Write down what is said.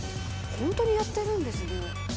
ホントにやってるんですね。